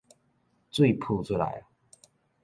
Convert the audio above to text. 水浡出來矣！